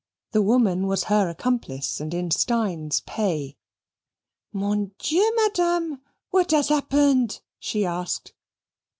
The woman was her accomplice and in Steyne's pay. "Mon Dieu, madame, what has happened?" she asked.